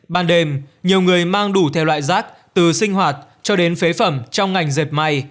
ban đêm nhiều người mang đủ theo loại rác từ sinh hoạt cho đến phế phẩm trong ngành dệt may